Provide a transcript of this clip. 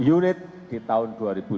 unit di tahun dua ribu dua puluh